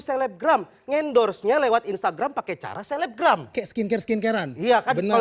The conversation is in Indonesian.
selebgram endorse nya lewat instagram pakai cara selebgram skincare skincare an iya kan